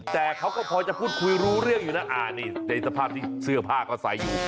แต่เขาก็พอจะพูดคุยรู้เรื่องอยู่นะอ่านี่ในสภาพที่เสื้อผ้าก็ใส่อยู่